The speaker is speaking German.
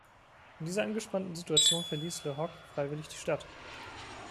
In dieser angespannten Situation verließ Le Hoc freiwillig die Stadt.